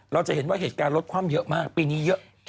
เราจะเห็นว่าเหตุการณ์รถคว่ำเยอะมากปีนี้เยอะ